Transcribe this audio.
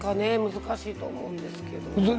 難しいと思うんですけど。